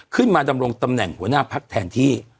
ดำรงตำแหน่งหัวหน้าพักแทนที่